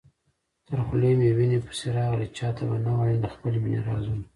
تر خولې مي وېني پسي راغلې، چاته به نه وايم د خپل مېني رازونه